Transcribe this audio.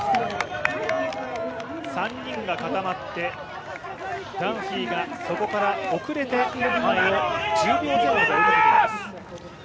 ３人が固まって、ダンフィーがそこから遅れて前を１０秒前後で追いかけています。